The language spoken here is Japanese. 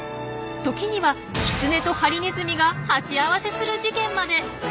時にはキツネとハリネズミが鉢合わせする事件まで！